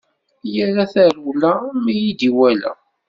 Yerra d tarewla mi iyi-d-iwala.